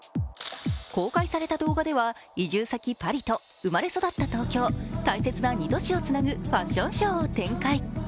公開された動画では、移住先、パリと生まれ育った東京、大切な２都市をつなぐファッションショーを展開。